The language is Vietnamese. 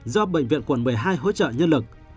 do bệnh viện quận một mươi hai hỗ trợ nhân lực